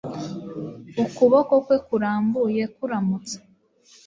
ukuboko kwe kurambuye kuramutsa